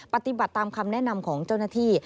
ปฏิบัติตามคำแนะนำของเจ้าหน้าที่